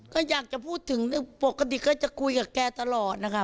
ก็อยากจะพูดถึงปกติก็จะคุยกับแกตลอดนะคะ